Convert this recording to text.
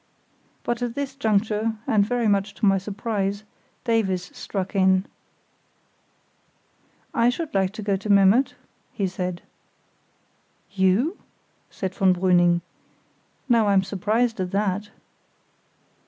But at this juncture, and very much to my surprise, Davies struck in. "I should like to go to Memmert," he said. "You?" said von Brüning. "Now I'm surprised at that."